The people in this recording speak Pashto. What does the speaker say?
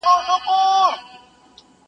ازموینه کي د عشق برابر راغله.